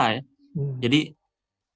jadi perusahaan itu